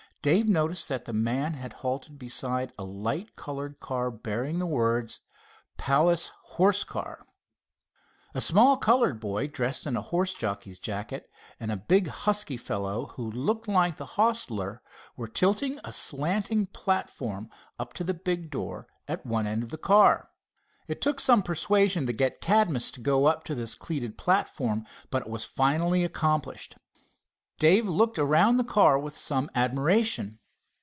Dave noticed that the man had halted beside a light colored car bearing the words: "Palace Horse Car." A small colored boy dressed in a horse jockey's jacket, and a big husky fellow who looked like the hostler, were tilting a slanting platform up to the big door at one end of the car. It took some persuasion to get Cadmus to go up this cleated platform, but it was finally accomplished. Dave looked around the car with some admiration.